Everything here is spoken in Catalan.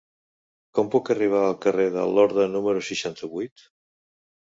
Com puc arribar al carrer de Lorda número seixanta-vuit?